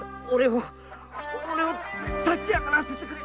俺を立ち上がらせてくれ。